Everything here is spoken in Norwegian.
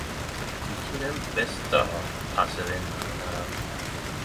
Ikkje den beste av Paasilinna denne her!